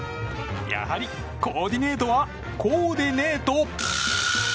やはりコーディネートはこうでねえと。